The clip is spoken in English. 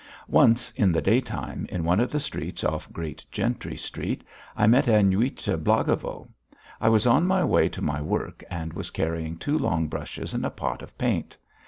Once, in the daytime, in one of the streets off Great Gentry Street, I met Aniuta Blagovo. I was on my way to my work and was carrying two long brushes and a pot of paint.